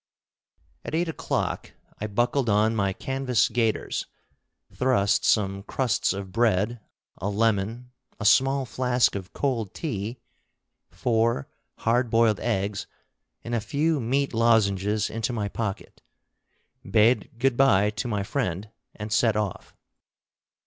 At eight o'clock I buckled on my canvas gaiters, thrust some crusts of bread, a lemon, a small flask of cold tea, four hard boiled eggs, and a few meat lozenges into my pocket, bade good by to my friend, and set off.